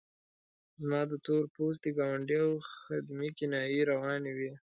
زما د تور پوستي ګاونډي او خدمې کنایې روانې وې.